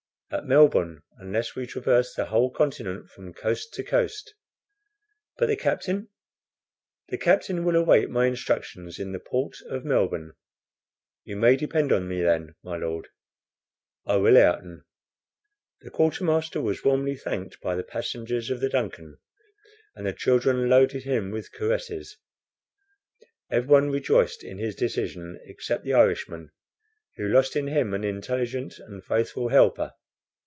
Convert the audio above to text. "At Melbourne, unless we traverse the whole continent from coast to coast." "But the captain?" "The captain will await my instructions in the port of Melbourne." "You may depend on me then, my Lord." "I will, Ayrton." The quartermaster was warmly thanked by the passengers of the DUNCAN, and the children loaded him with caresses. Everyone rejoiced in his decision except the Irishman, who lost in him an intelligent and faithful helper.